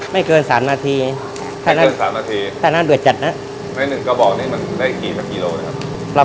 ไม่เกินสามนาทีไม่เกินสามนาทีถ้านั่นเดือดจัดนะในหนึ่งกระบอกนี่มันได้กี่ละกิโลนะครับ